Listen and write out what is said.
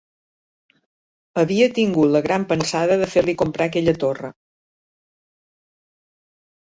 Havia tingut la gran pensada de fer-li comprar aquella torre